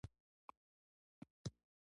غریب د زړونو تسل غواړي